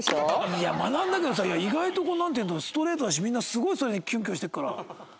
いや学んだけどさ意外とこうなんていうんだろうストレートだしみんなすごいそれにキュンキュンしてるから。